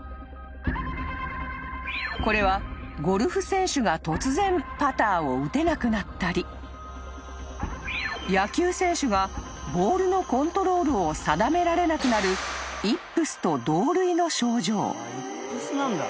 ［これはゴルフ選手が突然パターを打てなくなったり野球選手がボールのコントロールを定められなくなるイップスと同類の症状］